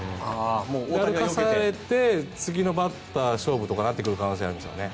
歩かされて次のバッター勝負とかになってくる可能性がありますよね。